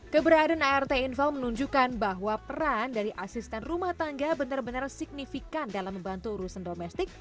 keberadaan art infal menunjukkan bahwa peran dari asisten rumah tangga benar benar signifikan dalam membantu urusan domestik